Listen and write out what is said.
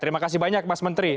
terima kasih banyak mas menteri